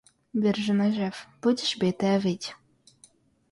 Биржа нажив, будешь битая выть.